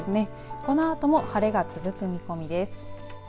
このあとも晴れが続く見込みです。